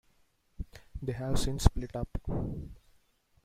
They have since split up.